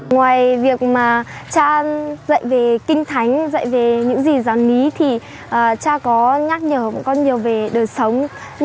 ngoài việc mà cha dạy về kinh thánh dạy về những gì giáo lý thì cha có nhắc nhở bọn con nhiều về đời sống